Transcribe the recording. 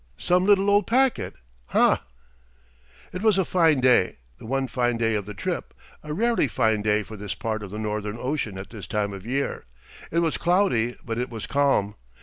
Some little old packet, hah? It was a fine day, the one fine day of the trip, a rarely fine day for this part of the northern ocean at this time of year. It was cloudy, but it was calm.